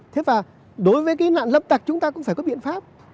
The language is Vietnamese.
thế và đối với cái nạn lâm tặc chúng ta cũng phải có biện pháp